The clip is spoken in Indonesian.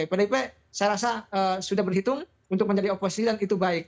pdip saya rasa sudah berhitung untuk menjadi oposisi dan itu baik